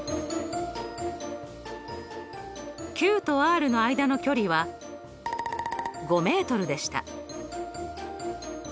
ＱとＲの間の距離は５ｍでした。